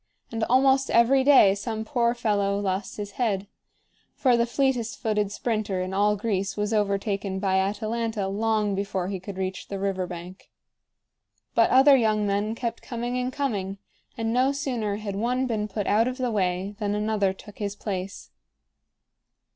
And almost every day some poor fellow lost his head; for the fleetest footed sprinter in all Greece was overtaken by Atalanta long before he could reach the river bank. But other young men kept coming and coming, and no sooner had one been put out of the way than another took his place.